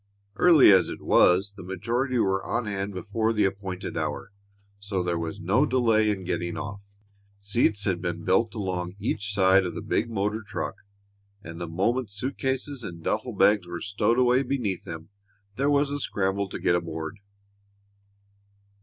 Early as it was, the majority were on hand before the appointed hour, so there was no delay in getting off. Seats had been built along each side of the big motor truck, and the moment suitcases and duffle bags were stowed away beneath them, there was a scramble to get aboard.